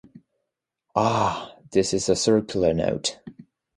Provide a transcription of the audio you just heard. Ah! this is a circular note...